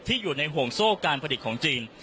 อยู่ในห่วงโซ่การผลิตของจีน